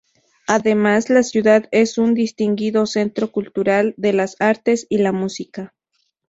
Además, la ciudad es un distinguido centro cultural, de las artes y la música.